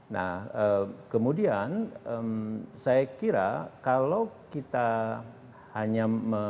nah kemudian saya kira kalau kita hanya